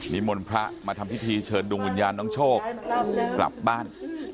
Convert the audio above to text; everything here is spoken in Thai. มนต์พระมาทำพิธีเชิญดวงวิญญาณน้องโชคกลับบ้าน